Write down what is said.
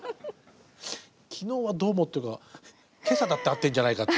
「昨日はどうも」っていうのは今朝だって会ってるんじゃないかって。